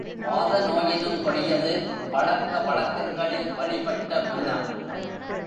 வாத நோயினும் கொடியது, பழக்க வழக்கங்களில் வழிபட்ட மனம்.